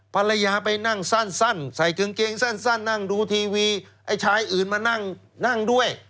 ภรรยาไปนั่งสั้นใส่กางเกงสั้นนั่งดูทีวีไอ้ชายอื่นมานั่งนั่งด้วย